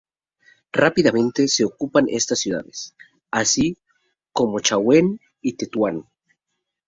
Rápidamente se ocupan estas ciudades, así como Chauen y Tetuán.